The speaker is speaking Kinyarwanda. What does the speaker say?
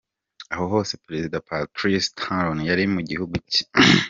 Aha hose Perezida Patrice Talon yari mu gihugu cye